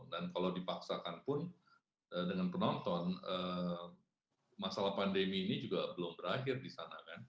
dan kalau dipaksakan pun dengan penonton masalah pandemi ini juga belum berakhir di sana kan